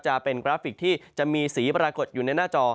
จะเป็นกราฟิกที่จะมีสีปรากฏอยู่ในหน้าจอ